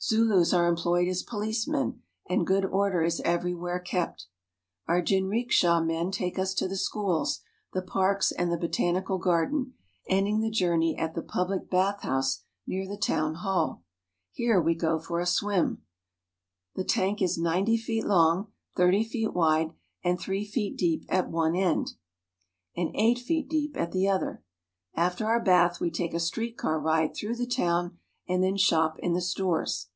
Zulus are employed as policemen, and ' good order is everywhere kept. Our jinriksha men take us to the schools, the parks, and the ''^'' ^^^^m " botanical garden, ending the journey at the public bathhouse n 9' '' near the Town Hall. Here we 5^lWr:";, go in for a swim. The tank is ninety feet long, thirty feet wide, and three feet deep at one end and eight feet deep at 1 the other. H ii. .n,.> i, j After our bath we take a street car ride through the ^^^fl town, and then shop in the stores.